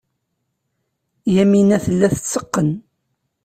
Yamina tella tetteqqen.